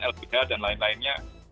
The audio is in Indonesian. lpha dan lain lainnya